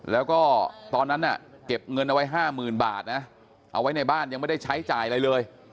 แล้วก็ตอนนั้นน่ะเก็บเงินเอาไว้๕๐๐๐บาทนะเอาไว้ในบ้านยังไม่ได้ใช้จ่ายอะไรเลย